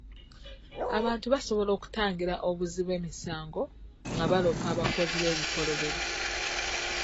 Abantu basobola okutangira obuzzi bw'emisango nga baloopa abakozi b'ebikolobero.